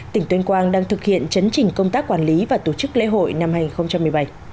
tỉnh tuyên quang đang thực hiện chấn trình công tác quản lý và tổ chức lễ hội năm hai nghìn một mươi bảy